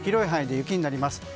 広い範囲で雪になります。